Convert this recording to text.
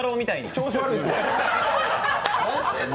調子悪いですよ！